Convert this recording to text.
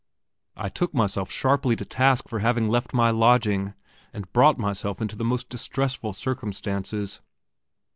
I took myself sharply to task for having left my lodging and brought myself into the most distressful circumstances.